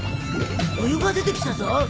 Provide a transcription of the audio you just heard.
お湯が出てきたぞ。